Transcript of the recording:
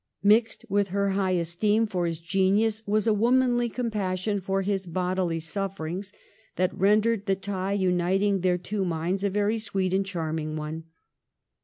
Mixed with her high esteem for his genius was a womanly compassion for his bodily sufferings that rendered the tie uniting their two minds a very sweet and charming one.